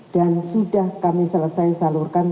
dan sudah kami selesai salurkan